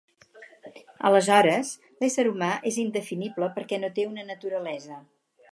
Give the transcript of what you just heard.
Aleshores, l'ésser humà és indefinible perquè no té una naturalesa.